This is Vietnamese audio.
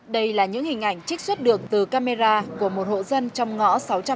đây là những hình ảnh trích xuất được từ camera của một hộ dân trong ngõ sáu trăm năm mươi chín